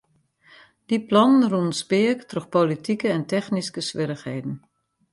Dy plannen rûnen speak troch politike en technyske swierrichheden.